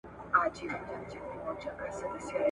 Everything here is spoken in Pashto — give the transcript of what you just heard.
د ملکیار هوتک په کلام کې د صداقت رڼا خپره ده.